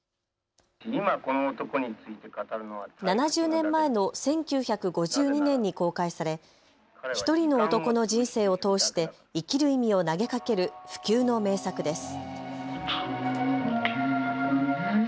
７０年前の１９５２年に公開され１人の男の人生を通して生きる意味を投げかける不朽の名作です。